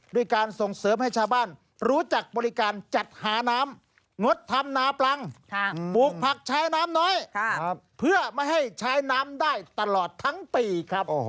ด้วยการส่งเสริมให้ชาวบ้านรู้จักบริการจัดหาน้ำงดทำนาปลังปลูกผักใช้น้ำน้อยเพื่อไม่ให้ใช้น้ำได้ตลอดทั้งปีครับ